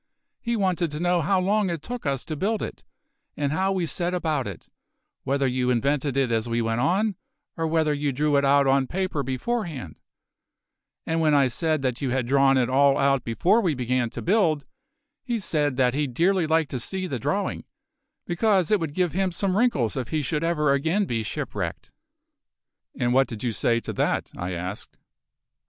He wanted to know how long it took us to build it, and how we set about it, whether you invented it as we went on, or whether you drew it out on paper beforehand; and when I said that you had drawn it all out before we began to build, he said that he'd dearly like to see the drawing, because it would give him some wrinkles if he should ever again be shipwrecked." "And what did you say to that?" I asked.